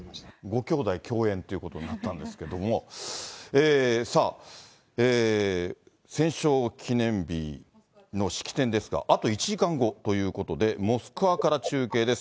ご兄弟共演ということになったんですけども、さあ、戦勝記念日の式典ですが、あと１時間後ということで、モスクワから中継です。